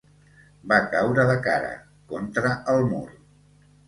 Va caure de cara, contra el mur.